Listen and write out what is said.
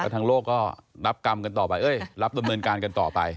ทางโลกก็รับกรรมกันต่อไปรับประเมินการกันต่อไป